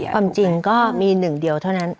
ความจริงก็มีหนึ่งเดียวเท่านั้น